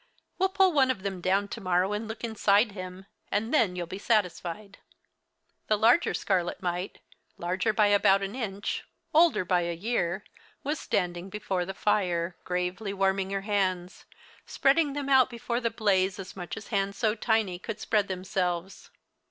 We'll pull one of them down to morrow and look inside him, and then you'll be satisfied." The larger scarlet mite, larger by about an inch, older by a year, was standing before the fire, gravely warming her hands, spreading them out before the blaze as much as hands so tiny could spread themselves.